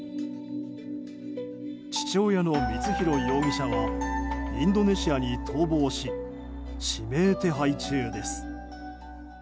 父親の光弘容疑者はインドネシアに逃亡し指名手配中です。